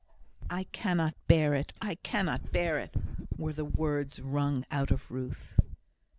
"I cannot bear it I cannot bear it!" were the words wrung out of Ruth.